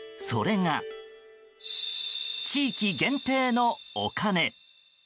それが地域限定のお金。